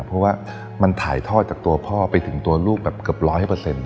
เพราะว่ามันถ่ายทอดจากตัวพ่อไปถึงตัวลูกแบบเกือบร้อยเปอร์เซ็นต